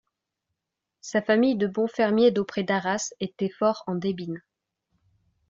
Sa famille de bons fermiers d'auprès d'Arras était fort en débine.